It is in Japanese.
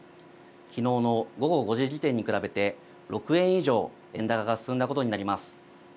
きのうの午後５時時点に比べて６円以上、円高が進んだことになります。